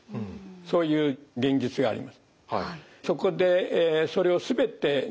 そういう現実があります。